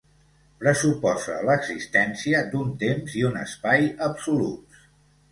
Pressuposa l'existència d'un temps i un espai absoluts.